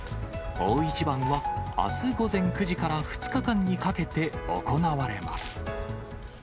大一番はあす午前９時から２日間にかけて行われます。